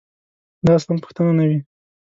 دا اصلاً پوښتنه نه وي.